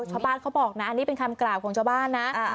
ชาวบ้านเขาบอกน่ะอันนี้เป็นคำกล่าวของชาวบ้านน่ะอ่า